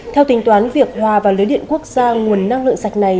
theo tính toán việc hòa vào lưới điện quốc gia nguồn năng lượng sạch này